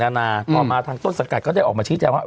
พอมาทางต้นสกัดก็จะออกมาชิดแหละว่า